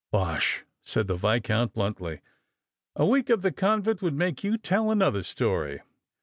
" Bosh !" said the Viscount bluntly. "A week of the con vent would make 3'ou tell another story.